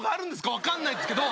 わかんないんですけど。